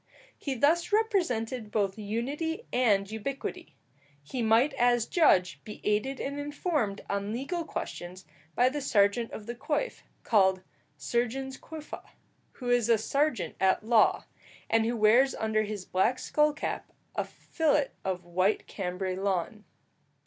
He thus represented both unity and ubiquity. He might as judge be aided and informed on legal questions by the serjeant of the coif, called sergens coifæ, who is a serjeant at law, and who wears under his black skull cap a fillet of white Cambray lawn.